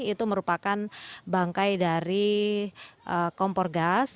itu merupakan bangkai dari kompor gas